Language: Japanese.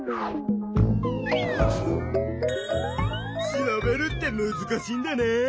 調べるってむずかしいんだな。